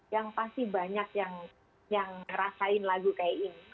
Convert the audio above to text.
yang pasti banyak yang ngerasain lagu kayak ini